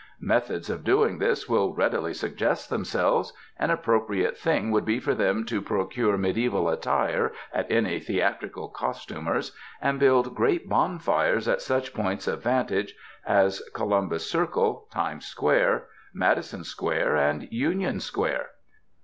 Methods of doing this will readily suggest themselves — an appropriate thing would be for them to procure mediaeval attire at any theatrical costumer's, and build great bonfires at ESSAYS such points of vantage as Columbus Circle, Times Square, Madison Square, and Union Square.